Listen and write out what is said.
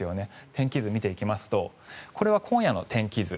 天気図を見ていきますとこれは今夜の天気図